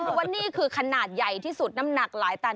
เพราะว่านี่คือขนาดใหญ่ที่สุดน้ำหนักหลายตัน